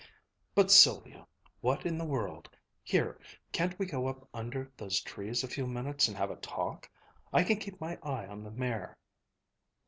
"But, Sylvia, what in the world here, can't we go up under those trees a few minutes and have a talk? I can keep my eye on the mare."